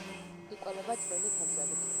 იკვებება წვრილი თევზებით.